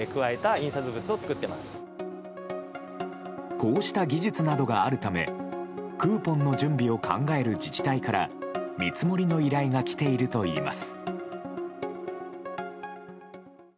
こうした技術などがあるためクーポンの準備を考える自治体から見積もりの依頼が来ているといいます。